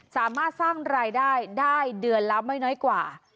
สามารถสร้างรายได้ได้เดือนละไม่น้อยกว่า